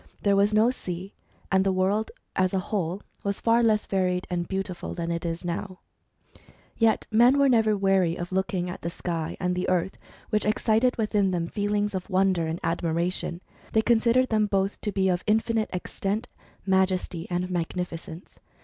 There was no sea ; and the world as a whole was far less varied and beauti ful than it now is. Yet men were never weary of looking at the sky and the earth, which excited within them feelings of wonder and admiration. They considered them both to be of infinite extent, majesty, and magnificence.